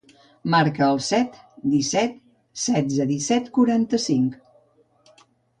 Marca el set, disset, setze, disset, quaranta-cinc.